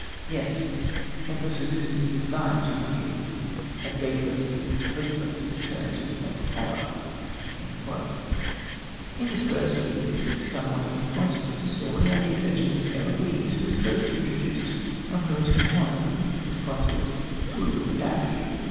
Yes, endless existence is thine, Ginotti a dateless and hopeless eternity of horror." Interspersed with this somewhat inconsequent story are the adventures of Eloise, who is first introduced on her return home, disconsolate, to a ruined abbey.